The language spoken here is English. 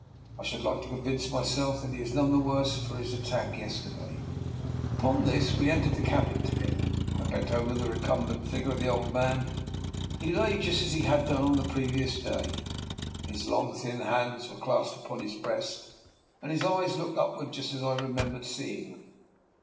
" I should like to convince myself that he is none the worse for his attack yesterday." Upon this we entered the cabin together, and I bent over the recumbent figure of the DR. NIKOLA'S EXPERIMENT. 123 old man. He lay just as he had done on the previous day; his long thin hands were clasped upon his breast, and his eyes looked upward just as I remembered seeing them.